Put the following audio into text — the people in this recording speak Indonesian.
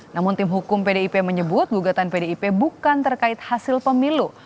namun tim hukum pdip menyebut gugatan pdip bukan terkait hasil pemilu